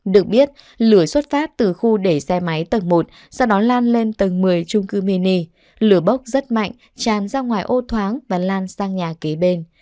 được biết lửa xuất phát từ khu để xe máy tầng một sau đó lan lên tầng một mươi trung cư mini lửa bốc rất mạnh tràn ra ngoài ô thoáng và lan sang nhà kế bên